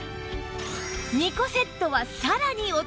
２個セットはさらにお得